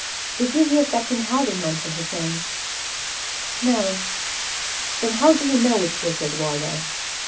Did you hear Captain Helding mention his name?" "No." "Then how do you know it's Richard Wardour?"